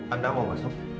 anda mau masuk